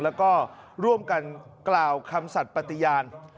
แล้วก็ร่วมกันกล่าวคำสัตว์ปฏิญาณ